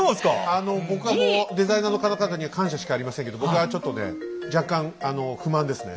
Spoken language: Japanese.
あの僕はもうデザイナーの方々には感謝しかありませんけど僕はちょっとね若干あの不満ですね。